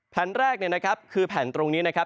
แผ่นแรกคือแผ่นตรงนี้นะครับ